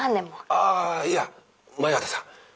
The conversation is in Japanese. ああいや前畑さん